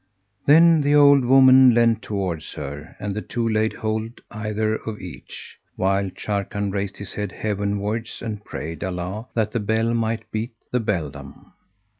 Then the old woman leant towards her, and the two laid hold either of each, while Sharrkan raised his head Heavenwards and prayed Allah that the belle might beat the beldam.